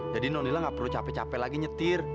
jadi nonila nggak perlu capek capek lagi nyetir